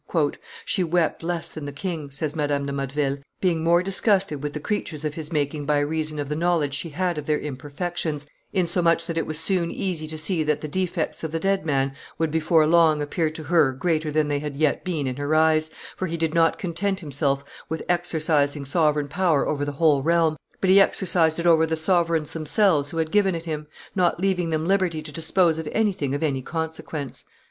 "She wept less than the king," says Madame de Motteville, "being more disgusted with the creatures of his making by reason of the knowledge she had of their imperfections, insomuch that it was soon easy to see that the defects of the dead man would before long appear to her greater than they had yet been in her eyes, for he did not content himself with exercising sovereign power over the whole realm, but he exercised it over the sovereigns themselves who had given it him, not leaving them liberty to dispose of anything of any consequence."